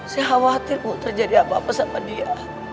saya khawatir bu terjadi apa apa sama dia